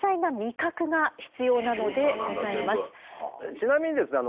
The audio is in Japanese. ちなみにですね